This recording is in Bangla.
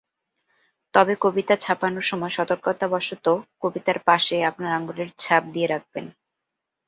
তবে কবিতা ছাপানোর সময় সতর্কতাবশত কবিতার পাশে আপনার আঙুলের ছাপ দিয়ে রাখবেন।